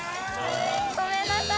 ごめんなさい。